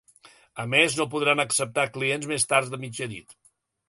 A més, no podran acceptar clients més tard de mitjanit.